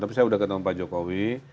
tapi saya sudah ketemu pak jokowi